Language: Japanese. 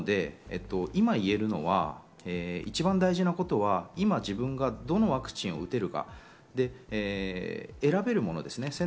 今、言えるのは一番大事なことはどのワクチンが打てるか選べるものですね。